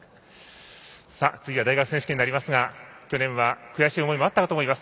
次は大学選手権になりますが去年は悔しい思いもあったかと思います。